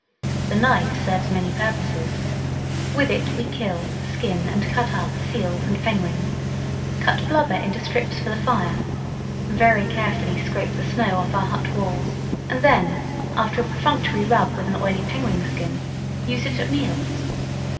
The knife serves many purposes. With it we kill, skin, and cut up seals and penguins, cut blubber into strips for the fire, very carefully scrape the snow off our hut walls, and then after a perfunctory rub with an oily penguin skin, use it at meals.